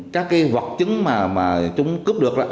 các cái hoạt chứng mà mà chúng cướp được là hoạt động